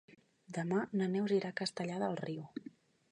Demà na Neus irà a Castellar del Riu.